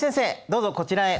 どうぞこちらへ。